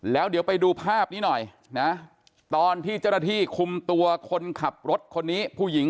แล้วเดี๋ยวไปดูภาพนี้หน่อยนะตอนที่เจ้าหน้าที่คุมตัวคนขับรถคนนี้ผู้หญิง